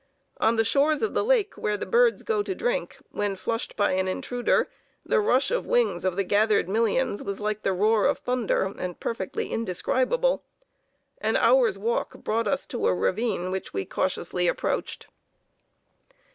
On the shores of the lake where the birds go to drink, when flushed by an intruder, the rush of wings of the gathered millions was like the roar of thunder and perfectly indescribable. An hour's walk brought us to a ravine which we cautiously approached.